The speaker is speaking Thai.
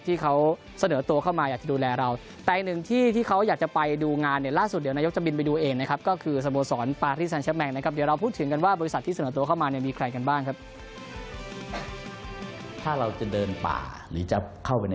ถ้าเราจะเดินป่าหรือจะเข้าไปในป่าเล็ก